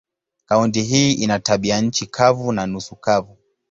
Kaunti hii ina tabianchi kavu na nusu kavu.